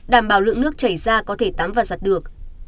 đảm bảo lượng nước chảy ra có thể tắm và giặt được